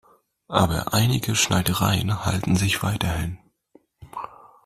Aber einige Schneidereien halten sich weiterhin.